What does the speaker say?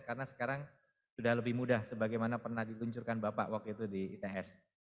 karena sekarang sudah lebih mudah sebagaimana pernah diluncurkan bapak waktu itu di its